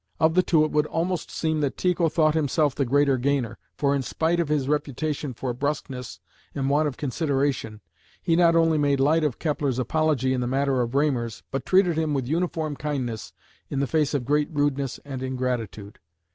Of the two it would almost seem that Tycho thought himself the greater gainer, for in spite of his reputation for brusqueness and want of consideration, he not only made light of Kepler's apology in the matter of Reymers, but treated him with uniform kindness in the face of great rudeness and ingratitude.